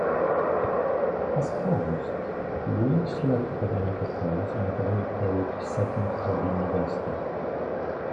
As Provost, Lewis led academic affairs and academic priority setting for the university.